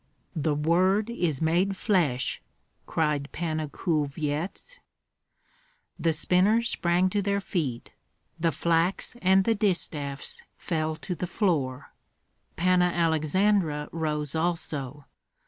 " "The word is made flesh!" cried Panna Kulvyets. The spinners sprang to their feet; the flax and the distaffs fell to the floor. Panna Aleksandra rose also.